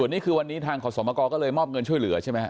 นี่คือวันนี้ทางขอสมกรก็เลยมอบเงินช่วยเหลือใช่ไหมฮ